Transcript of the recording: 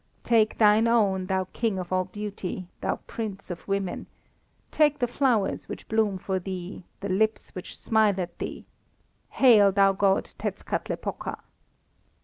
Take thine own, thou king of all beauty, thou prince of women! Take the flowers which bloom for thee, the lips which smile at thee! Hail, thou god Tetzkatlepoka!"